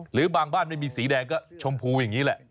หรือบางบ้านไม่มีสีแดงก็ชมพูอย่างนี้แหละ